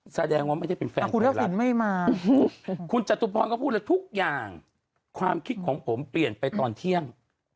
แสดงว่าไม่ได้เป็นแฟนคุณทักษิณไม่มาคุณจตุพรก็พูดเลยทุกอย่างความคิดของผมเปลี่ยนไปตอนเที่ยง